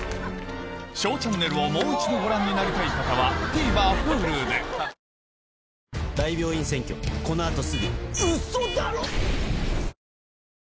『ＳＨＯＷチャンネル』をもう一度ご覧になりたい方はＴＶｅｒＨｕｌｕで自分たち見ての通り